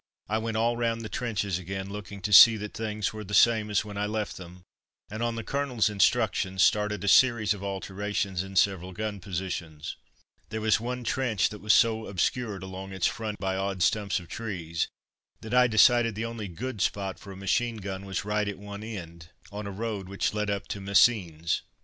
I went all round the trenches again, looking to see that things were the same as when I left them, and, on the Colonel's instructions, started a series of alterations in several gun positions. There was one trench that was so obscured along its front by odd stumps of trees that I decided the only good spot for a machine gun was right at one end, on a road which led up to Messines.